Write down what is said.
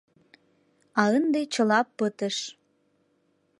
А ынде чыла пытыш!